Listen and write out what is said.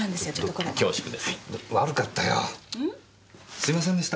すいませんでした。